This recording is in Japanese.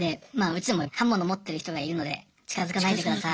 「刃物持ってる人がいるので近づかないでください！」